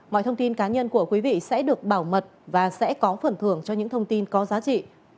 mọi thông tin cá nhân của quý vị sẽ được bảo mật và sẽ có phần thưởng cho những thông tin có giá trị